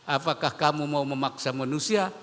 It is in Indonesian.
apakah kamu mau memaksa manusia